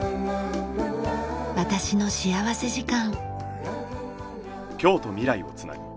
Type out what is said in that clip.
『私の幸福時間』。